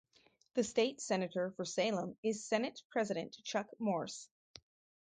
The state senator for Salem is Senate President Chuck Morse.